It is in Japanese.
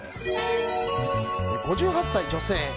５８歳女性。